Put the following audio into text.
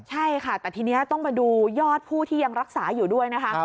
ใช่ค่ะแต่ทีนี้ต้องมาดูยอดผู้ที่ยังรักษาอยู่ด้วยนะคะ